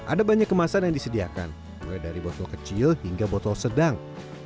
ada banyak kemasan yang disediakan mulai dari botol kecil hingga botol sedang